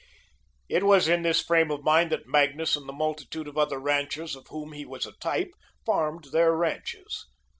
It was in this frame of mind that Magnus and the multitude of other ranchers of whom he was a type, farmed their ranches.